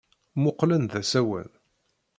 Mmuqqlen d asawen.